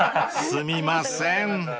［すみません］